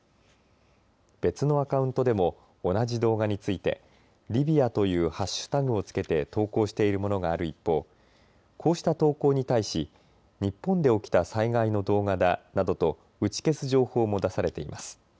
別のアカウントでも同じ動画についてリビアというハッシュタグをつけて投稿しているものがある一方こうした投稿に対し日本で起きた災害の動画だなどと打ち消す情報も出されています。